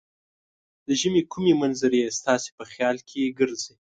د ژمې کومې منظرې ستاسې په خیال کې ګرځي؟